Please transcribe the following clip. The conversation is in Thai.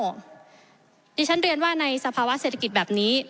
ดิฉันเรียนว่าในสภาวะเศรษฐกิจแบบนี้